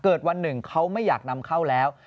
วันหนึ่งเขาไม่อยากนำเข้าแล้ว